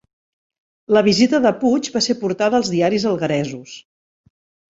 La visita de Puig va ser portada als diaris algueresos